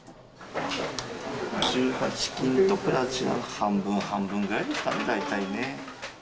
１８金とプラチナ半分半分ぐらいですかね、大体ね。